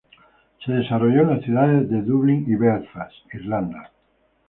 Se desarrolló en las ciudades de Dublín y Belfast, Irlanda.